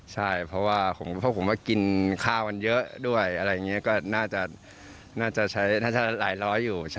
ใช่เพราะว่ากินข้ามันเยอะด้วยเรนคงลายล้ออยู่